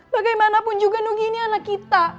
bagaimanapun juga nungi ini anak kita